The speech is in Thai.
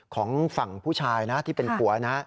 ของฝั่งผู้ชายนะที่เป็นผัวนะ